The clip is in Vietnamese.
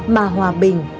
mà hòa bình